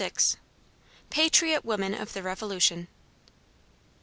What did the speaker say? PATRIOT WOMEN OF THE REVOLUTION.